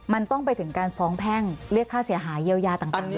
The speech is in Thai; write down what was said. มันต้องไปถึงการฟ้องแพ่งเรียกค่าเสียหายเยียวยาต่าง